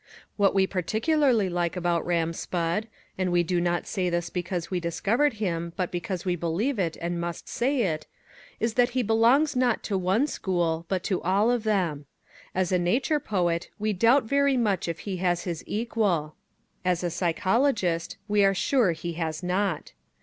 What we particularly like about Ram Spudd, and we do not say this because we discovered him but because we believe it and must say it, is that he belongs not to one school but to all of them. As a nature poet we doubt very much if he has his equal; as a psychologist, we are sure he has not.